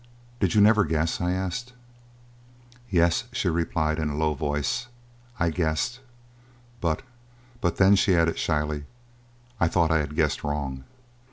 "Did you never guess?" I asked. "Yes," she replied in a low voice, "I guessed; but but then," she added shyly, "I thought I had guessed wrong."